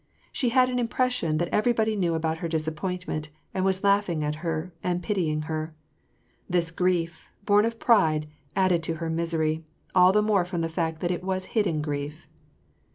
She had an impression that everybody knew about her disappointment, and was laughing at her, and pitying her. This grief, born of pride, added to her misery, all the more from the fact that it was hidden grief.